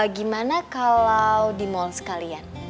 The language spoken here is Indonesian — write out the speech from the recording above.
gimana kalau di mall sekalian